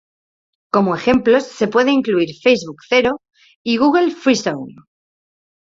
Como ejemplos se puede incluir Facebook Zero y Google Free Zone.